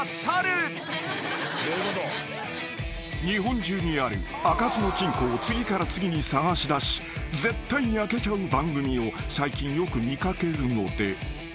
［日本中にある開かずの金庫を次から次に探し出し絶対に開けちゃう番組を最近よく見掛けるので］